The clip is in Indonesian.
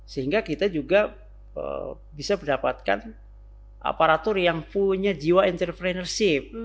sehingga kita juga bisa mendapatkan aparatur yang punya jiwa entrepreneurship